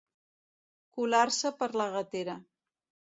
Colar-se per la gatera.